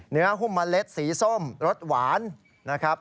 หุ้มเมล็ดสีส้มรสหวานนะครับ